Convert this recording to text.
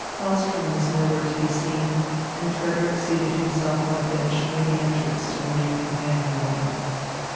Hahlström was nowhere to be seen, and Frederick seated himself on a bench near the entrance to the main companionway.